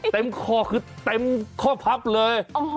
เต็มข่อคือเต็มข้อพับเลย